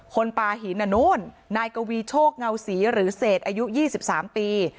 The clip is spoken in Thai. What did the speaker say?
คนปลาหินน่ะนู้นนายกวีโชคเงาศรีหรือเศษอายุ๒๓ปี